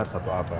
sudah satu abad